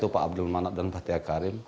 pak abdul manat dan fathia karim